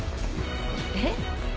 えっ？